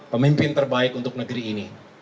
pemimpin terbaik untuk negeri ini